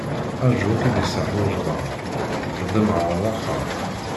Ṛǧu ar k-id-iṣaḥ ujdaṛ, tḍemɛeḍ axxam!